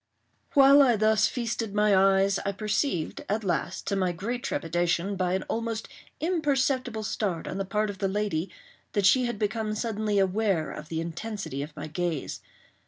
While I thus feasted my eyes, I perceived, at last, to my great trepidation, by an almost imperceptible start on the part of the lady, that she had become suddenly aware of the intensity of my gaze.